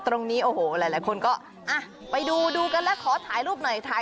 ตรงนี้โอ้โหหลายคนก็อ่ะไปดูดูกันแล้วขอถ่ายรูปหน่อยถ่าย